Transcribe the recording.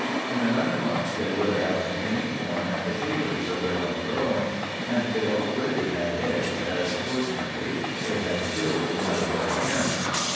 In another month they would have green corn and potatoes of their own growing, and they already had eggs, as, fortunately, they had killed none of their hens.